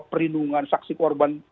perlindungan saksi korban